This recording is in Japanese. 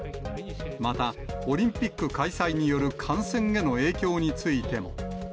また、オリンピック開催による感染への影響についても。